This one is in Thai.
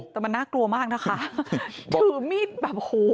แต่มันน่ากลัวมากนะคะถือมีดแบบโอ้โห